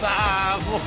もう。